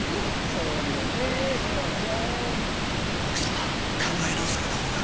そうだよね志乃ちゃん。奥様考え直されたほうが。